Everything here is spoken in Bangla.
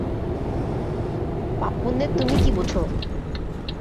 পাপপুণ্যের তুমি কী বুঝ?